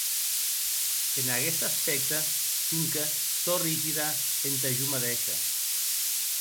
En aguest aspècte sonque sò rigida entà jo madeisha.